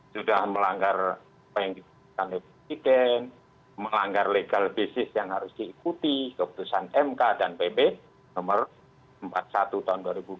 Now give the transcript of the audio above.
sudah melanggar penggunaan hukum melanggar legal basis yang harus diikuti keputusan mk dan pp nomor empat puluh satu tahun dua ribu dua puluh